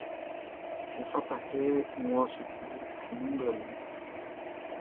Efata kɛ n wɔ suklu ainman nglɛmun.